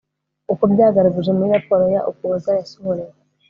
uko byagaragajwe muri raporo ya ukuboza yasohorewe